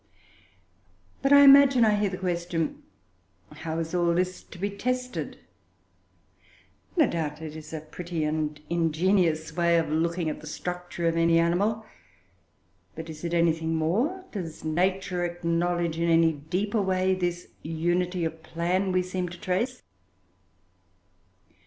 But I imagine I hear the question, How is all this to be tested? No doubt it is a pretty and ingenious way of looking at the structure of any animal; but is it anything more? Does Nature acknowledge, in any deeper way, this unity of plan we seem to trace?